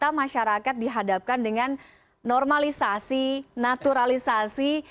bagaimana sekarang masyarakat dihadapkan dengan normalisasi naturalisasi